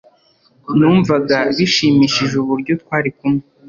Numvaga bishimishije uburyo twari kumwe